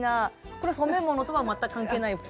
これ染め物とは全く関係ない服？